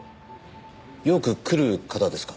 よく来る方ですか？